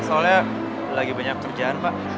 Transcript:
soalnya lagi banyak kerjaan pak